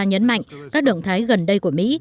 nhấn mạnh các động thái gần đây của mỹ